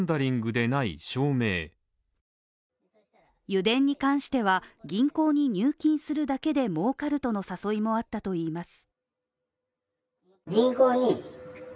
油田に関しては、銀行に入金するだけで儲かるとの誘いもあったといいます。